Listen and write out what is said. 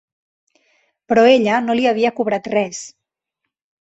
Però ella no li havia cobrat res.